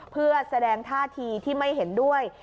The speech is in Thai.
เพื่อแสดงท่าทีที่ไม่เห็นด้วย